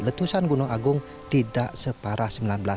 di letusan gunung agung tidak separah seribu sembilan ratus enam puluh tiga